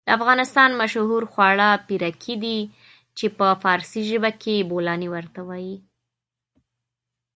د افغانستان مشهور خواړه پيرکي دي چې په فارسي ژبه کې بولانى ورته وايي.